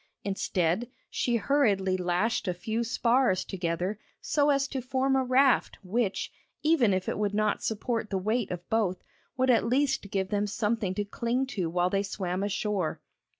Instead, she hurriedly lashed a few spars together so as to form a raft which, even if it would not support the weight of both, would at least give them something to cling to while they swam ashore.